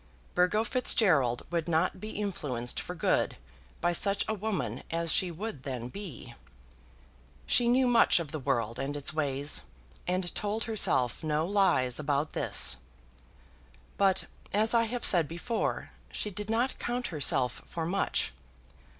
Burgo Fitzgerald would not be influenced for good by such a woman as she would then be. She knew much of the world and its ways, and told herself no lies about this. But, as I have said before, she did not count herself for much.